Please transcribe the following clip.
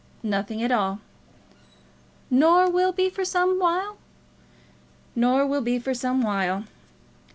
"Nothing at all." "Nor will be for some while?" "Nor will be, for some while."